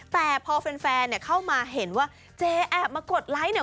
แต่พอแฟนเข้ามาเห็นว่าเจแอบมากดไลค์